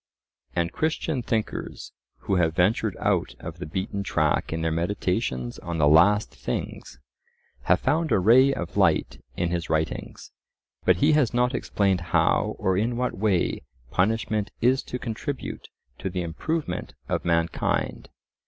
And Christian thinkers, who have ventured out of the beaten track in their meditations on the "last things," have found a ray of light in his writings. But he has not explained how or in what way punishment is to contribute to the improvement of mankind.